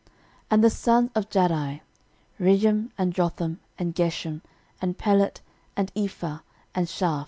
13:002:047 And the sons of Jahdai; Regem, and Jotham, and Gesham, and Pelet, and Ephah, and Shaaph.